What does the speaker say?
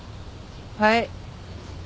はい。